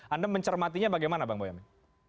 anda mencermatinya bagaimana bang boyamin